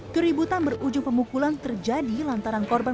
keributan berujung pemukulan terjadi lantaran korban